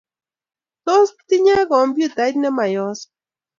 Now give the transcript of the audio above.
Tos tinyei kompyutait nemayos?